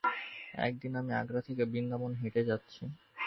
একদিন আমি আগ্রা থেকে বৃন্দাবন হেঁটে যাচ্ছি।